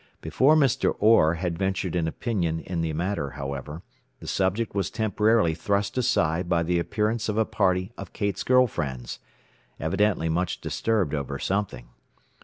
Before Mr. Orr had ventured an opinion in the matter, however, the subject was temporarily thrust aside by the appearance of a party of Kate's girl friends, evidently much disturbed over something.